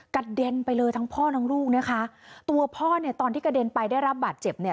กระเด็นไปเลยทั้งพ่อทั้งลูกนะคะตัวพ่อเนี่ยตอนที่กระเด็นไปได้รับบาดเจ็บเนี่ย